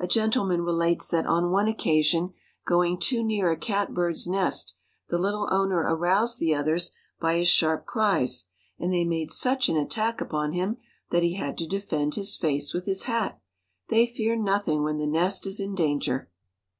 A gentleman relates that on one occasion, going too near a catbird's nest, the little owner aroused the others by his sharp cries, and they made such an attack upon him that he had to defend his face with his hat. They fear nothing when the nest is in danger.